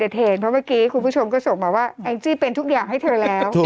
เพราะเมื่อกี้คุณผู้ชมก็ส่งมาว่าแองจี้เป็นทุกอย่างให้เธอแล้ว